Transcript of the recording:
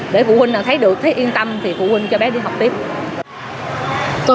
để phụ huynh thấy được thấy yên tâm thì phụ huynh cho bé đi học tiếp